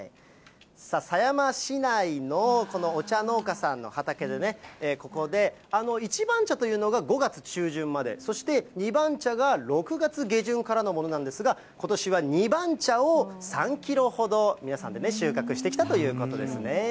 さあ、狭山市内の、このお茶農家さんの畑でね、ここで一番茶というのが５月中旬まで、そして二番茶が６月下旬からのものなんですが、ことしは二番茶を３キロほど、皆さんで収穫してきたということですね。